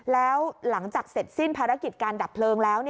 แล้วหลังจากเสร็จสิ้นภารกิจการดับเพลิงแล้ว